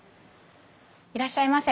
いらっしゃいませ。